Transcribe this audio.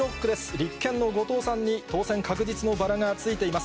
立憲の後藤さんに当選確実のバラがついています。